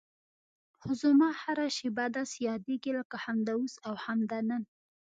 خو زما هره شېبه داسې یادېږي لکه همدا اوس او همدا نن.